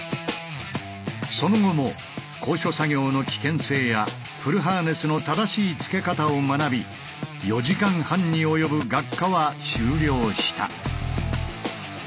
その後も高所作業の危険性やフルハーネスの正しいつけ方を学び４時間半に及ぶ学科は終了した。